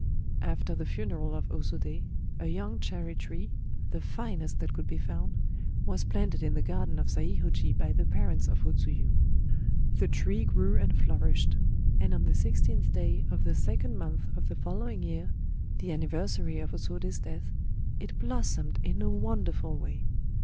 After the funeral of O Sodé, a young cherry tree,—the finest that could be found,—was planted in the garden of Saihōji by the parents of O Tsuyu. The tree grew and flourished; and on the sixteenth day of the second month of the following year,—the anniversary of O Sodé's death,—it blossomed in a wonderful way.